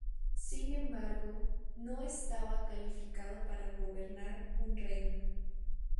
Sin embargo, no estaba calificado para gobernar un reino.